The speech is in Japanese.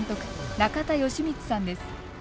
中田吉光さんです。